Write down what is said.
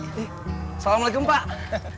eh salam lagi pak